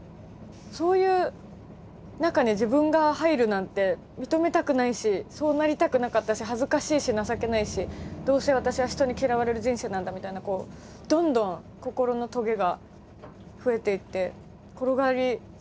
そういう中に自分が入るなんて認めたくないしそうなりたくなかったし恥ずかしいし情けないしどうせ私は人に嫌われる人生なんだみたいなどんどん心のトゲが増えていって転がり坂みたいに。